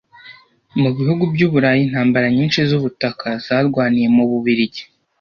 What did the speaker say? Mubihugu byu Burayi intambara nyinshi zubutaka zarwaniye mububiligi